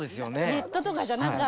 ネットとかじゃなかった。